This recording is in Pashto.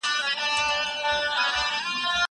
زه اوس کتابونه وړم!